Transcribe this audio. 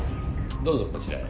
どうぞこちらへ。